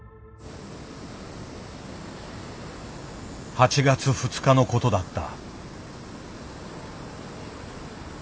８月２日のことだった。